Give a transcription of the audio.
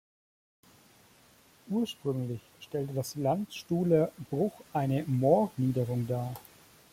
Ursprünglich stellte das Landstuhler Bruch eine Moorniederung dar.